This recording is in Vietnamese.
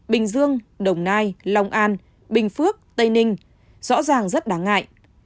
bình dương đồng nai long an bình phước tây ninh rõ ràng rất đáng ngại